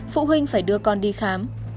phụ huynh phải đưa con đi khám